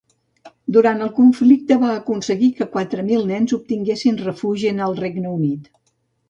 Durant el conflicte va aconseguir que quatre mil nens obtinguessin refugi en el Regne Unit.